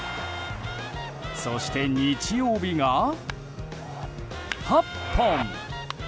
そして日曜日が８本！